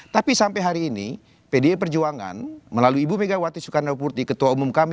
tapi sampai hari ini pdi perjuangan melalui ibu megawati soekarnoputri ketua umum kami